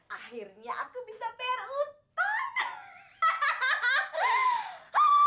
akhirnya aku bisa bayar utang